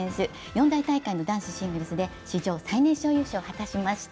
四大大会の男子シングルスで史上最年少優勝を果たしました。